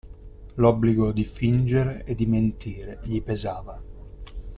L'obbligo di fingere e di mentire gli pesava.